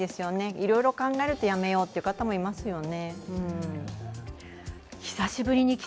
いろいろ考えると、やめようという方はいらっしゃいますよね。